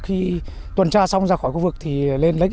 khi tuần tra xong ra khỏi khu vực thì lên lấy hàng hóa